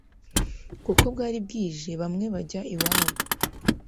kuko bwari bwije bamwe bajya iwabo